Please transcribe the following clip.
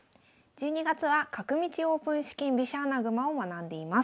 １２月は「角道オープン四間飛車穴熊」を学んでいます。